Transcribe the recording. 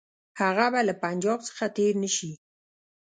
هغه به له پنجاب څخه تېر نه شي.